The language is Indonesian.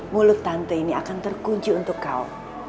mulut tante ini akan terkunci untuk kau